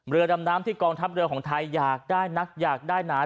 เรือดำน้ำที่กองทัพเรือของไทยอยากได้นักอยากได้หนา